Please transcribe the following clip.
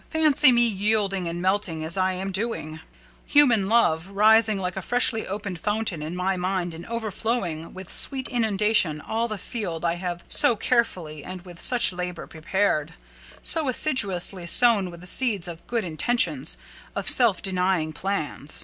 Fancy me yielding and melting, as I am doing: human love rising like a freshly opened fountain in my mind and overflowing with sweet inundation all the field I have so carefully and with such labour prepared—so assiduously sown with the seeds of good intentions, of self denying plans.